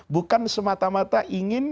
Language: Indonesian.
bukan semata mata ingin